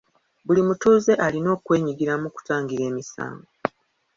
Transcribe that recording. Buli mutuuze alina okwenyigira mu kutangira emisango.